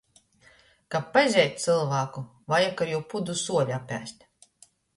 Kab pazeit cylvāku, vajag ar jū pudu suoļa apēst.